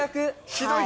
ひどい。